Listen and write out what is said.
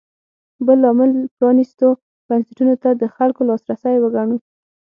بل لامل پرانېستو بنسټونو ته د خلکو لاسرسی وګڼو.